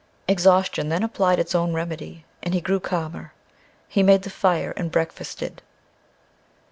Exhaustion then applied its own remedy, and he grew calmer. He made the fire and breakfasted.